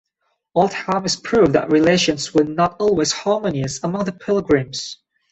Oldham is proof that relations were not always harmonious among the Pilgrims.